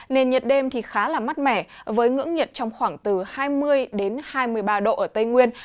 nền nhiệt đêm thì khá là mát mẻ với ngưỡng nhiệt trong khoảng từ hai mươi hai mươi ba độ ở tây nguyên